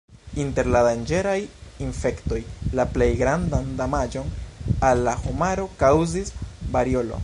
Inter la danĝeraj infektoj, la plej grandan damaĝon al la homaro kaŭzis variolo.